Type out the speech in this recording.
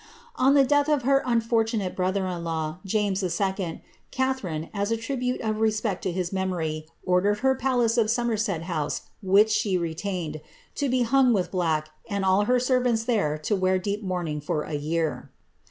} death of her unfortunate brother in law, James II., Catharine, ite of respect to his memory, ordered her palace oi Somerset rhich she retained, to be hung with black, and all her servants wear deep mourning for a year.